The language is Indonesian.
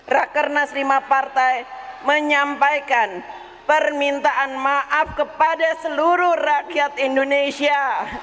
rakernas lima partai menyampaikan permintaan maaf kepada seluruh rakyat indonesia